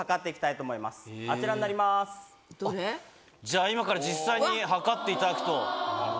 じゃあ今から実際に測っていただくと。